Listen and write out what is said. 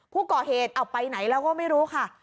ผู้ก่อเหตุเอาไปไหนแล้วก็ไม่รู้ค่ะ